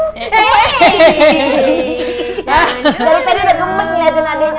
dari tadi udah gemes ngeliatin adeknya